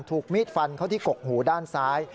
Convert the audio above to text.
ถูกมีดฟันเข้าที่กกหูด้านซ้าย